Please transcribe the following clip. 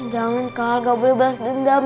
jangan kal gak boleh balas dendam